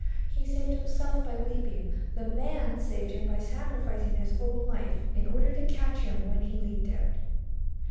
He saved himself by leaping. The man saved him by sacrificing his own life in order to catch him when he leaped out.